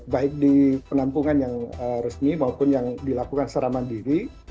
baik di penampungan yang resmi maupun yang dilakukan secara mandiri